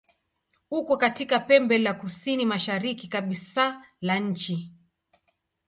Uko katika pembe la kusini-mashariki kabisa la nchi.